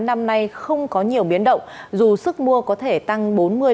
năm nay không có nhiều biến động dù sức mua có thể tăng bốn mươi bốn mươi năm